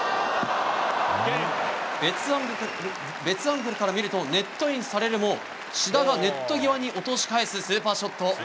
別アングルから見るとネットインされるも志田がネット際に落とし返すスーパーショット！